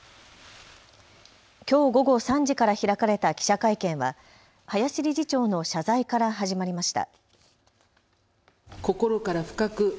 きょう午後３時から開かれた記者会見は林理事長の謝罪から始まりました。